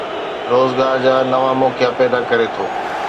روزگار جا نوان موقعا پيدا ڪري ٿو.